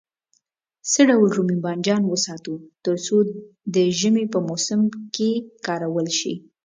څه ډول رومي بانجان وساتو تر څو د ژمي په موسم کې کارول شي.